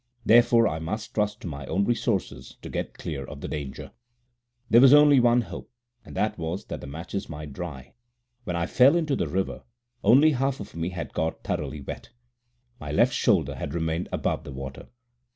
Therefore I must trust to my own resources to get clear of the danger. There was only one hope, and that was that the matches might dry. When I fell into the river, only half of me had got thoroughly wet. My left shoulder had remained above the water.